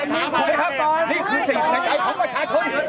นี่คือสิ่งในใจของประชาชน